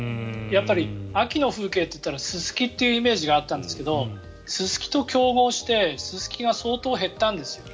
秋の風景と言ったらススキというイメージがあったんですがススキと競合してススキが相当、減ったんですよね。